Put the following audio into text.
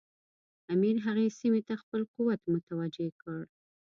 امیر هغې سیمې ته خپل قوت متوجه کړ.